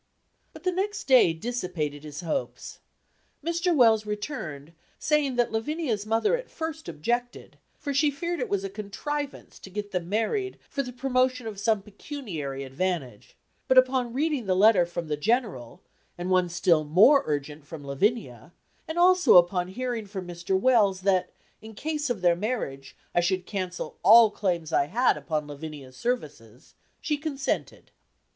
But the next day dissipated his hopes. Mr. Wells returned, saying that Lavinia's mother at first objected, for she feared it was a contrivance to get them married for the promotion of some pecuniary advantage; but, upon reading the letter from the General, and one still more urgent from Lavinia, and also upon hearing from Mr. Wells that, in case of their marriage, I should cancel all claims I had upon Lavinia's services, she consented.